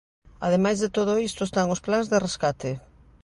Ademais de todo isto están os plans de rescate.